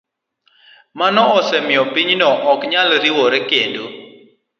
Mano osemiyo pinyno ok nyal riwore kendo.